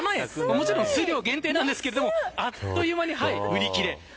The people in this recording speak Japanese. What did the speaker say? もちろん数量限定ですがあっという間に売り切れ。